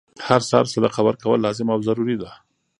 هر سهار صدقه ورکول لازم او ضروري ده،